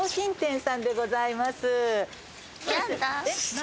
何？